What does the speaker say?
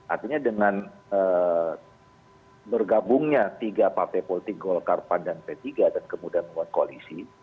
artinya dengan bergabungnya tiga partai politik golkar pan dan p tiga dan kemudian membuat koalisi